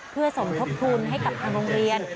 เพื่อสมทบทุนให้กับทางโรงเรียน